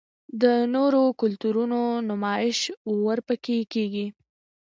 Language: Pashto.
د نورو کلتورونو نمائش ورپکښې کـــــــــــــــــېږي